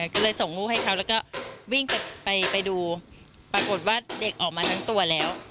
ก็เลยส่งลูกให้เขาแล้วก็วิ่งไปดูปรากฏว่าเด็กออกมาทั้งตัวแล้ว